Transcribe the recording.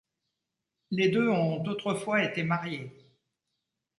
Les deux ont autrefois été mariés.